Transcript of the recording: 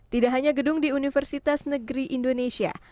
tidak hanya gedung di universitas negeri indonesia